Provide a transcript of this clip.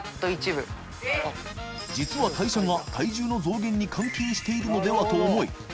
禺造和綣佞体重の増減に関係しているのではと思い蟯